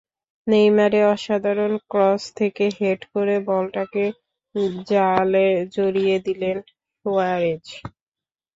নেইমারের অসাধারণ ক্রস থেকে হেড করে বলটাকে জালে জড়িয়ে দিলেন সুয়ারেজ।